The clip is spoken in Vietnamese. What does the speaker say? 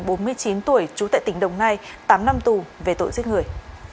bốn mươi chín tuổi trú tại tỉnh đồng nai tám năm tù về tội giết người